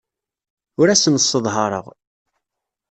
Ur asen-sseḍhareɣ.